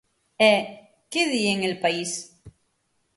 E ¿que di en El País?